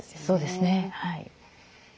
そうですねはい。